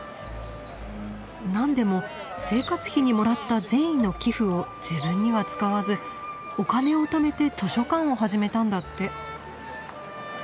何でも生活費にもらった善意の寄付を自分には使わずお金をためて図書館を始めたんだって。